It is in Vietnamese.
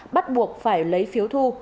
bắt buộc phải lấy phiếu thu